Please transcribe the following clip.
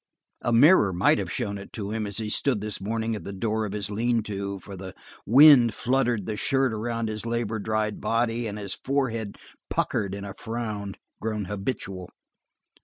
A mirror might have shown it to him as he stood this morning at the door of his lean to, for the wind fluttered the shirt around his labor dried body, and his forehead puckered in a frown, grown habitual.